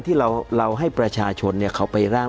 ที่เราให้ประชาชนเขาไปร่าง